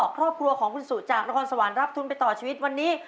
ครอบครัวของคุณสุจากนครสวรรค์รับทุนไปต่อชีวิตวันนี้